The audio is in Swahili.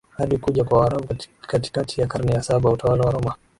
hadi kuja kwa Waarabu katikati ya karne ya saba Utawala wa Roma